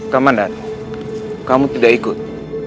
kamu tidak ikut